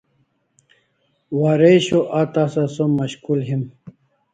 Waresho a tasa som mashkul him